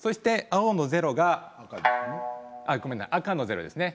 青の０が赤の０ですね。